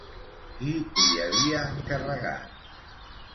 Qui li havia encarregat?